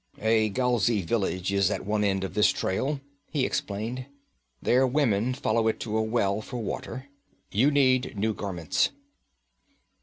'A Galzai village is at one end of this trail,' he explained. 'Their women follow it to a well, for water. You need new garments.'